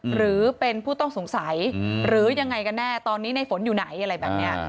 หรือเป็นผู้ต้องสงสัยหรือยังไงกันแน่ตอนนี้ในฝนอยู่ไหนอะไรแบบนี้